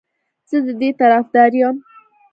زه د دې طرفدار یم